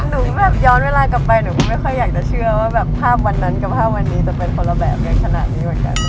หนูแบบย้อนเวลากลับไปหนูก็ไม่ค่อยอยากจะเชื่อว่าแบบภาพวันนั้นกับภาพวันนี้จะเป็นคนละแบบกันขนาดนี้เหมือนกัน